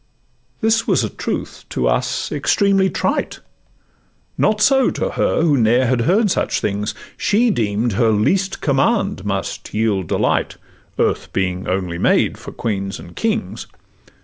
This was a truth to us extremely trite; Not so to her, who ne'er had heard such things: She deem'd her least command must yield delight, Earth being only made for queens and kings.